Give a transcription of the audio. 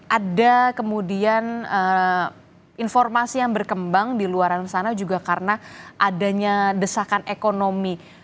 ada kemudian informasi yang berkembang di luar sana juga karena adanya desakan ekonomi